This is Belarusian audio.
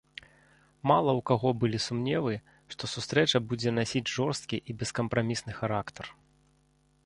Мала ў каго былі сумневы, што сустрэча будзе насіць жорсткі і бескампрамісны характар.